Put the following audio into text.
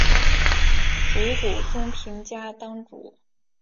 竹谷松平家当主。